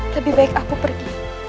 lebih baik aku pergi